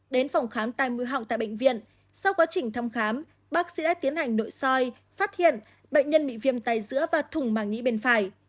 đến phòng khám tay mưa họng tại bệnh viện sau quá trình thăm khám bác sĩ đã tiến hành nội soi phát hiện bệnh nhân bị viêm tay giữa và thùng màng nhĩ bên phải